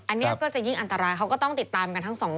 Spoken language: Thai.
อันนี้ก็จะยิ่งอันตรายเขาก็ต้องติดตามกันทั้งสองคน